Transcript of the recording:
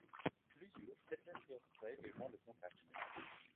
L'usure détérioreraient les joints de contact.